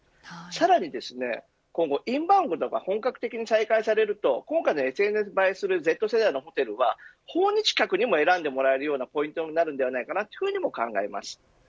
さらに今後、インバウンドが本格的に再開されると今回のＳＮＳ映えするＺ世代のホテルは訪日客にも選んでもらえるポイントになると思います。